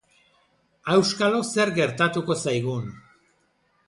Auskalo zer gertatuko zaigun!